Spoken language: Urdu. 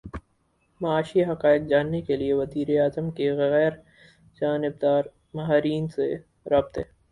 معاشی حقائق جاننے کیلیے وزیر اعظم کے غیر جانبدار ماہرین سے رابطے